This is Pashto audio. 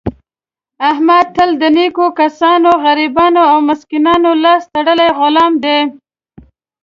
احمد تل د نېکو کسانو، غریبانو او مسکینانو لاس تړلی غلام دی.